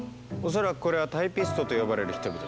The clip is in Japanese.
恐らくこれは「タイピスト」と呼ばれる人々だ。